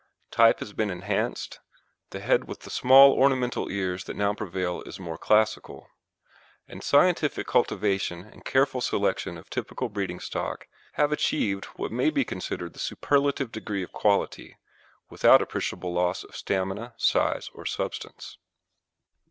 Type has been enhanced, the head with the small ornamental ears that now prevail is more classical; and scientific cultivation and careful selection of typical breeding stock have achieved what may be considered the superlative degree of quality, without appreciable loss of stamina, size, or substance.